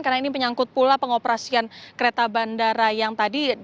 karena ini menyangkut pula pengoperasian kereta bandara yang tadi